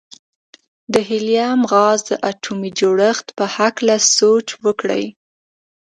د هیلیم غاز د اتومي جوړښت په هکله سوچ وکړئ.